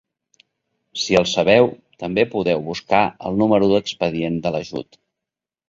Si el sabeu, també podeu buscar el número d'expedient de l'ajut.